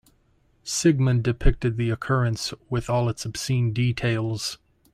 Sigmund depicted the occurrence with all its obscene details.